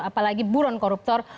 apalagi buron koruptor